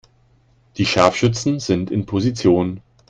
Die Scharfschützen sind in Position.